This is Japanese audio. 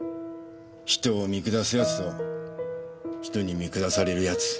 人を見下す奴と人に見下される奴。